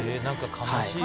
悲しいね。